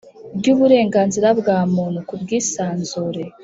Ry’uburenganzira bwa muntu, ku bwisanzure